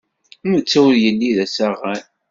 Netta ur yelli d asaɣan.